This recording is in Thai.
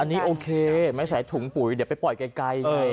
อันนี้โอเคไม่ใส่ถุงปุ๋ยเดี๋ยวไปปล่อยไกลไง